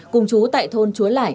cùng chú tại thôn chúa lải